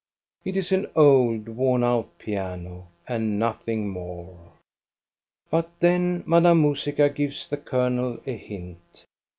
It is an old, worn out piano, and nothing more. But then Madame Musica gives the colonel a hint.